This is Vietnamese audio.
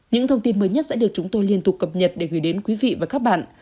những thông tin mới nhất sẽ được chúng tôi liên tục cập nhật để gửi đến quý vị và các bạn